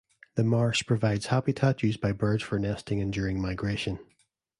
The marsh provides habitat used by birds for nesting and during migration.